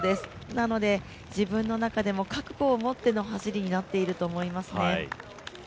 なので自分の中でも、覚悟を持っての走りになっていると思いますね。